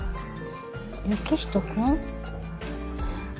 行人君？